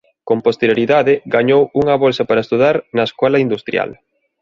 Con posterioridade gañou unha bolsa para estudar na Escola Industrial.